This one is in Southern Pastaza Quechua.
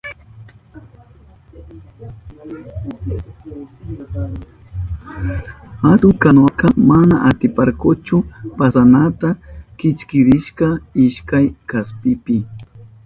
Atun kanuwaka mana atiparkachu pasanata, kichkirishka ishkay kaspipi.